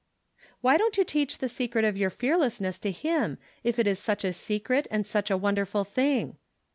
"" Why don't you teach the secret of your fear lessness to him, if it is such a secret and such a wonderful thing